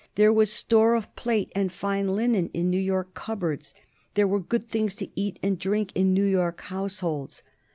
There was store of plate and fine linen in New York cupboards. There were good things to eat and drink in New York households.